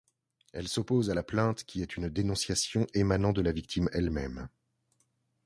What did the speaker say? Elle s'oppose à la plainte qui est une dénonciation émanant de la victime elle-même.